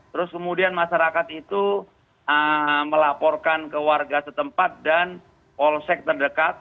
terus kemudian masyarakat itu melaporkan ke warga setempat dan polsek terdekat